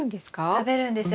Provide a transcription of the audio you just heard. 食べるんですよ。